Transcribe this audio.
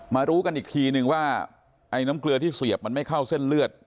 รู้กันอีกทีนึงว่าไอ้น้ำเกลือที่เสียบมันไม่เข้าเส้นเลือด